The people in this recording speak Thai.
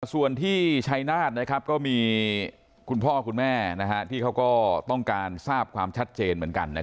ส่วนที่ชัยนาธก็มีคุณพ่อคุณแม่ที่เขาก็ต้องการทราบความชัดเจนเหมือนกัน